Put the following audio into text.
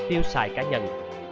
tiêu xài cá nhân